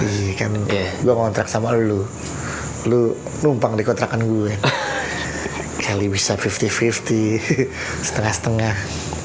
iya kan gue kontrak sama lu lu numpang di kontrakan gue kali bisa lima puluh lima puluh setengah setengah